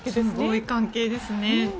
すごい関係ですね。